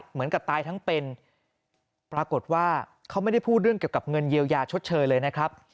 เหมือนกับตายทั้งเป็นปรากฏว่าเขาไม่ได้พูดเรื่องเกี่ยวกับเงินเยียวยาชดเชยเลยนะครับ